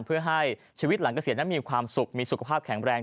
เพื่อให้ชีวิตหลังเกษียณนั้นมีความสุขมีสุขภาพแข็งแรง